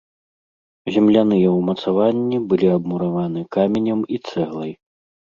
Земляныя ўмацаванні былі абмураваны каменем і цэглай.